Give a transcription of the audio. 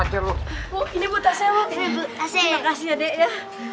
terima kasih adek ya